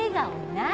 何？